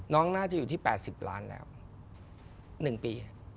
น่าจะอยู่ที่๘๐ล้านแล้ว๑ปี